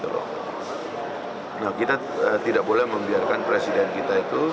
nah kita tidak boleh membiarkan presiden kita itu